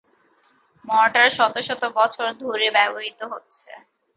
Mortar শত শত বছর ধরে ব্যবহৃত হচ্ছে।